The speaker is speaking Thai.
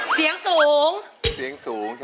เสียงสูง